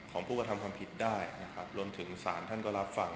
ของผู้กระทำความผิดได้ลงถึงสารท่านก็รับฟัง